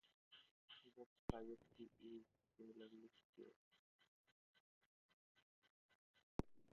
Bob's private key is similarly secure.